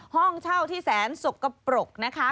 ห้องเช่าที่แสนสกปรกนะคะ